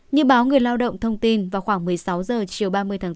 như báo người lao động thông tin vào khoảng một mươi sáu h chiều ba mươi tháng bốn